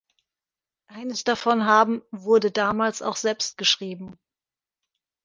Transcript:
Eines davon haben wurde damals auch selbst geschrieben.